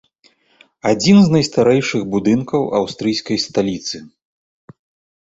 Адзін з найстарэйшых будынкаў аўстрыйскай сталіцы.